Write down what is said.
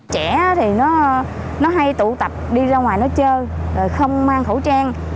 trẻ thì nó hay tụ tập đi ra ngoài nó chơi không mang khẩu trang